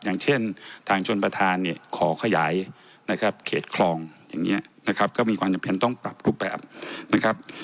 อย่างเช่นทางชนประธานเนี่ยขอขยายนะครับเขตคลองอย่างนี้นะครับก็มีความจำเป็นต้องปรับรูปแบบนะครับ